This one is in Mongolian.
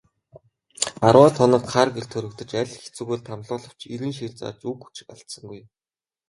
Арваад хоног хар гэрт хоригдож, аль хэцүүгээр тамлуулавч эрийн шийр зааж үг өчиг алдсангүй.